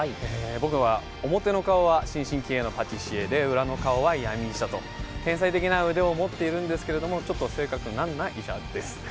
僕は表の顔は新進気鋭のパティシエで裏の顔は闇医者と天才的な腕を持っているんですが、ちょっと性格難な役です。